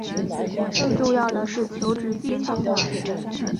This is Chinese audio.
更重要的是求职技巧